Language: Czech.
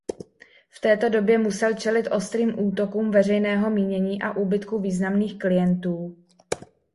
V této době musel čelit ostrým útokům veřejného mínění a úbytku významných klientů.